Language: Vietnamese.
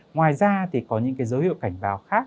ngoài ra thì có những cái dấu hiệu cảnh báo khác